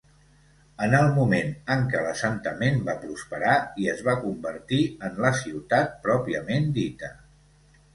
En el moment en què l'assentament va prosperar i es va convertir en la ciutat pròpiament dita.